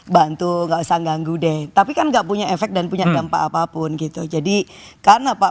bantu nggak usah ganggu deh tapi kan enggak punya efek dan punya dampak apapun gitu jadi karena pak